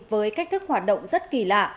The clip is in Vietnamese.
với cách thức hoạt động rất kỳ lạ